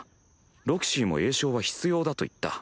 ロキシーも詠唱は必要だと言った。